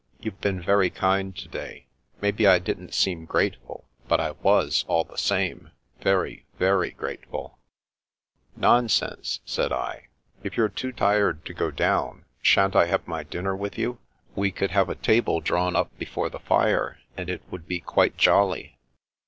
You've been very kind to day. Maybe I didn't seem grate ful, but I was, all the same ; very, very grateful." " Nonsense !" said I. " If you're too tired to go down, shan't I have my dinner with you.? We could 300 The Princess Passes have a table drawn up before the fire, and it would be quite jolly."